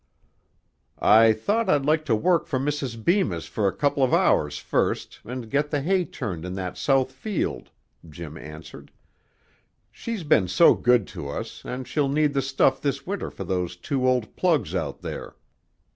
"I thought I'd like to work for Mrs. Bemis for a couple of hours first and get the hay turned in that south field," Jim answered. "She's been so good to us, and she'll need the stuff this winter for those two old plugs out there."